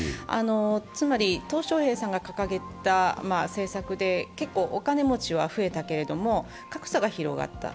つまり、トウ小平さんが掲げた政策で結構お金持ちは増えたけれども格差が広がった。